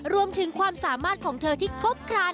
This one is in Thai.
รวมถึงความสามารถของเธอที่ครบครัน